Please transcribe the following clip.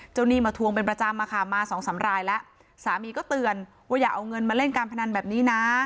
หนี้มาทวงเป็นประจำอะค่ะมาสองสามรายแล้วสามีก็เตือนว่าอย่าเอาเงินมาเล่นการพนันแบบนี้นะ